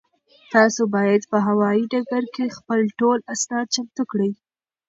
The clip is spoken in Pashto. تاسو باید په هوایي ډګر کې خپل ټول اسناد چمتو کړئ.